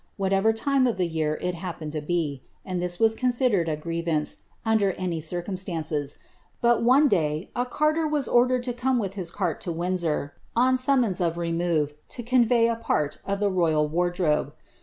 whatever time of the year it happened to be, and ihis was consitlereO ■ grievance, under any circumstances ; bui, one day, a carter was otdeieJ to come with his cart to Windsor, on summons of remove, to convev a pari of the royal wardrobe.